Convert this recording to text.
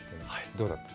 どうだった？